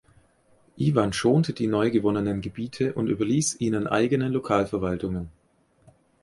Iwan schonte die neu gewonnenen Gebiete und überließ ihnen eigene Lokalverwaltungen.